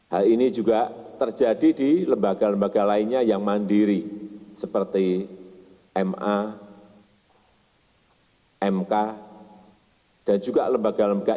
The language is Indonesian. hal ini juga terjadi di lembaga lembaga lainnya yang mandiri seperti ma mk dan juga lembaga lembaga